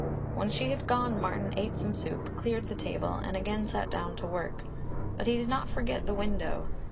When she had gone Martin ate some soup, cleared the table, and again sat down to work. But he did not forget the window.